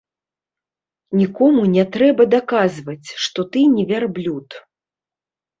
Нікому не трэба даказваць, што ты не вярблюд.